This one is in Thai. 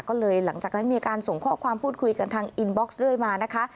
ก็เลยหลังจากนั้นมีการส่งข้อความพูดคุยกันทางอินบ็อกซ์เรื่อยมานะคะ